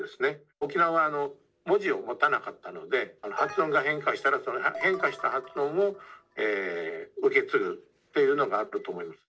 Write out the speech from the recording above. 沖縄は文字を持たなかったので発音が変化したらその変化した発音を受け継ぐっていうのがあったと思います。